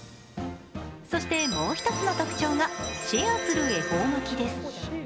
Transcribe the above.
そして、もう１つの特徴がシェアする恵方巻きです。